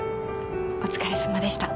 お疲れさまでした。